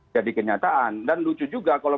jadi kenyataan dan lucu juga kalau